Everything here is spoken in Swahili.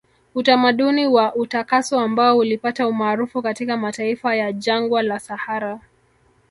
Utamaduni wa utakaso ambao ulipata umaarufu katika mataifa ya jangwa la sahara